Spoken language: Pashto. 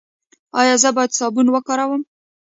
ایا زه باید صابون وکاروم؟